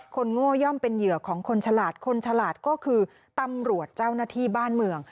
โง่ย่อมเป็นเหยื่อของคนฉลาดคนฉลาดก็คือตำรวจเจ้าหน้าที่บ้านเมือง